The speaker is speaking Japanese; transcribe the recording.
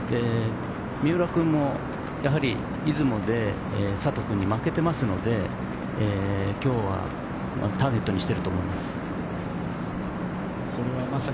三浦君も出雲で佐藤君に負けていますので今日はターゲットにしていると思います。